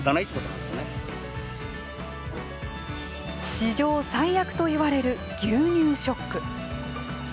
史上最悪と言われる牛乳ショック。